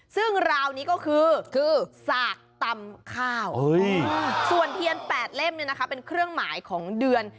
ซึ่งราวนี้ก็คือคือสากตำข้าวส่วนเทียน๘เล่มเนี่ยนะคะเป็นเครื่องหมายของเดือน